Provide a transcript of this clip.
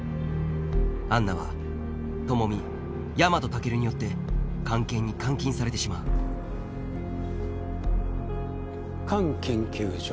アンナは朋美大和猛流によって菅研に監禁されてしまう菅研究所。